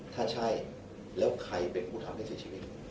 ถ้าใช่แล้วใครเป็นผู้ทำให้เสียชีวิต